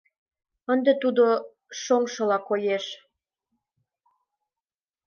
Ынде тудо шоҥшыла коеш.